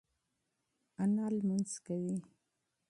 انا لمونځ کوي.